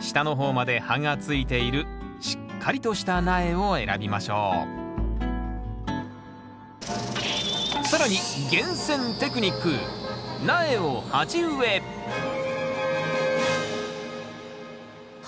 下の方まで葉がついているしっかりとした苗を選びましょう更に厳選テクニック鉢がありますけれども。